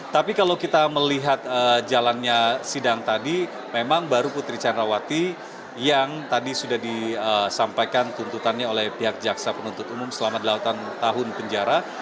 tapi kalau kita melihat jalannya sidang tadi memang baru putri candrawati yang tadi sudah disampaikan tuntutannya oleh pihak jaksa penuntut umum selama delapan tahun penjara